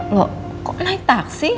loh kok naik taksi